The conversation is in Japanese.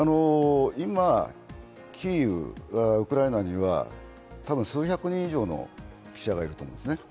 今キーウ、ウクライナには数百人以上の記者がいると思うんですね。